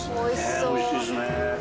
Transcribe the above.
おいしいですね。